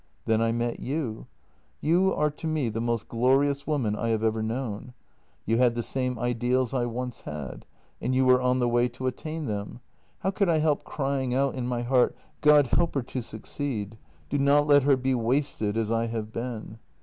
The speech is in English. Then I met you. You are to me the most glorious woman I have ever known; you had the same ideals I once had, and you were on the way to attain them. How could I help crying out in my heart: God help her to succeed. Do not let her be wasted as I have been!